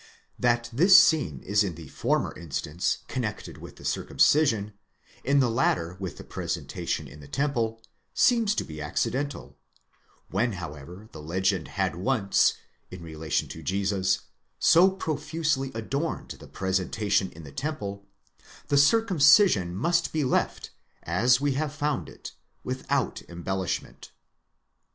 That this scene is in the former instance connected with the circumcision, in the latter with the presentation in the temple, seems to be accidental ; when however the legend had once, in relation to Jesus, so profusely adorned the presentation in the temple, the circumcision must be left, as we have above found it, without embellishment.